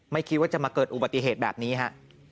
ไม่คิดว่าจะมาเกิดอุบัติเหตุแบบนี้ฮะ